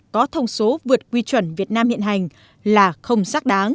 có thông số vượt quy chuẩn việt nam hiện hành là không xác đáng